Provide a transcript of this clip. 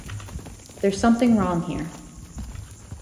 There's something wrong here.